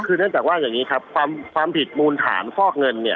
คือเนื่องจากว่าอย่างนี้ครับความผิดมูลฐานฟอกเงินเนี่ย